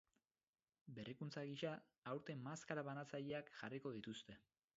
Berrikuntza gisa, aurten maskara-banatzaileak jarriko dituzte.